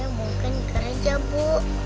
mungkin kerja bu